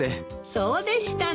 そうでしたの。